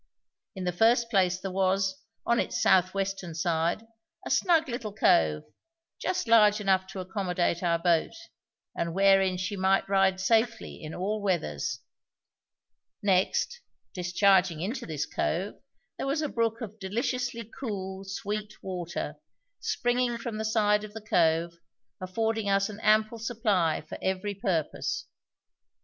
In the first place there was, on its south western side, a snug little cove, just large enough to accommodate our boat, and wherein she might ride safely in all weathers. Next, discharging into this cove there was a brook of deliciously cool, sweet water, springing from the side of the cove, affording us an ample supply for every purpose.